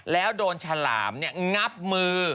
แล้วโดนฉลามเนี่ยงับมือ